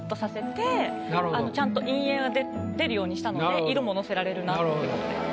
ちゃんと陰影が出るようにしたので色も乗せられるなってことで。